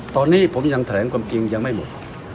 ตอนนี้ผมยังแถลงความจริงยังไม่หมด